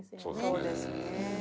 そうですね。